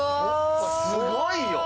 すごいよ！